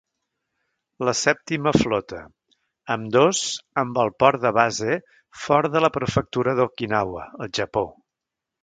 La sèptima flota, ambdós amb el port de base fora de la Prefectura d'Okinawa, El Japó.